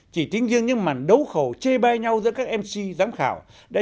chỉ tính riêng những màn đấu khẩu chê bai nhau giữa các mc giám khảo đã